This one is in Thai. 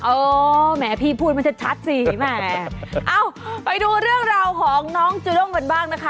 เออแหมพี่พูดมันชัดชัดสิแหมเอ้าไปดูเรื่องราวของน้องจูด้งกันบ้างนะคะ